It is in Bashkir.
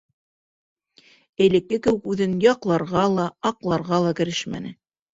Элекке кеүек үҙен яҡларға ла, аҡларға ла керешмәне.